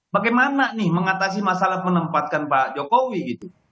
bagaimana nih mengatasi masalah menempatkan pak jokowi gitu